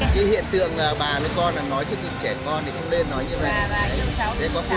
cái hiện tượng bà với con là nói trước khi trẻ con thì không nên nói như vậy